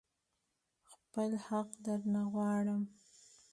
خپل حق درنه غواړم.